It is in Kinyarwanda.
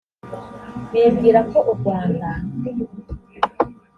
bibwira ko u rwanda